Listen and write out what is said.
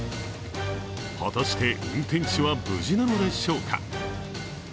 果たして運転手は無事なのでしょうか。